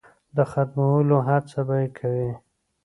د ختمولو هڅه به یې کوي.